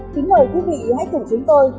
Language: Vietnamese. kính mời quý vị hãy cùng chúng tôi